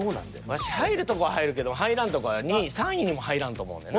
ワシ入るとこは入るけど入らんとこは２位３位にも入らんと思うねんな。